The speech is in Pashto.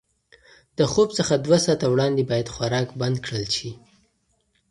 د خوب څخه دوه ساعته وړاندې باید خوراک بند کړل شي.